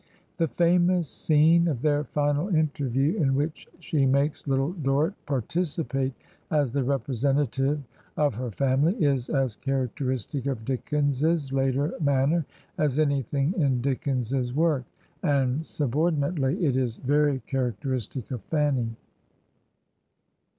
The famous scene of their final interview, in which she makes Little Dorrit participate as the representative of her family, is as characteristic of Dickens's later manner as anything in Dickens's work, and subordinately it is very characteristic of Fanny.